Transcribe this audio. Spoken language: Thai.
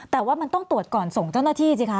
แต่ว่ามันต้องตรวจก่อนส่งเจ้าหน้าที่สิคะ